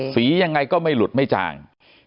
ยังไงก็ไม่หลุดไม่จาง